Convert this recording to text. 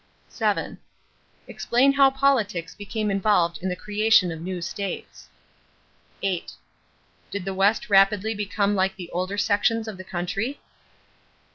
7. Explain how politics became involved in the creation of new states. 8. Did the West rapidly become like the older sections of the country?